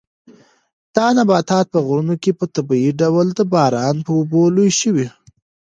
دا نباتات په غرونو کې په طبیعي ډول د باران په اوبو لوی شوي.